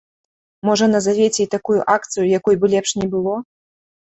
Можа назавеце і такую акцыю, якой бы лепш не было?